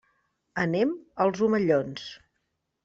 Anem als Omellons.